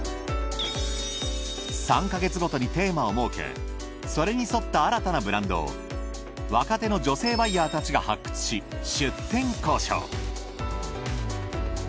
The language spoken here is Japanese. ３か月ごとにテーマを設けそれに沿った新たなブランドを若手の女性バイヤーたちが発掘し出店交渉。